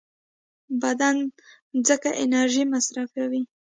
بدن څنګه انرژي مصرفوي؟